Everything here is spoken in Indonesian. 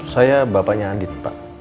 saya bapaknya andit pak